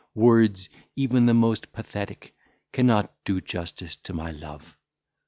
Words, even the most pathetic, cannot do justice to my love.